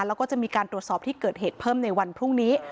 แล้วก็จะมีการตรวจสอบที่เกิดเหตุเพิ่มในวันพรุ่งนี้